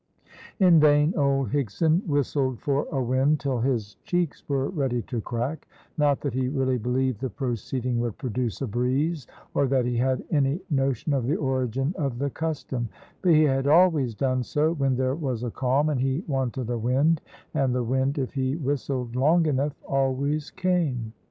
In vain old Higson whistled for a wind till his cheeks were ready to crack; not that he really believed the proceeding would produce a breeze, or that he had any notion of the origin of the custom; but he had always done so when there was a calm; and he wanted a wind, and the wind, if he whistled long enough, always came.